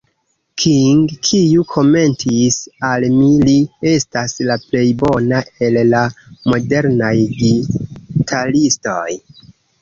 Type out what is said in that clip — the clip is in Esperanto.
King, kiu komentis, "al mi li estas la plej bona el la modernaj gitaristoj.